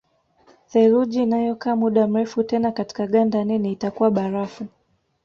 Theluji inayokaa muda mrefu tena katika ganda nene itakuwa barafu